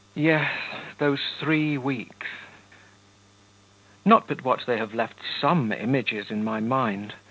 Yes, those three weeks.... Not but what they have left some images in my mind.